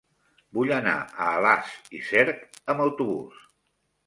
Vull anar a Alàs i Cerc amb autobús.